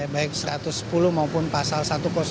baik satu ratus sepuluh maupun pasal satu ratus sepuluh